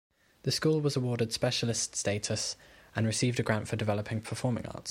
The school was awarded specialist status and received a grant for developing performing arts.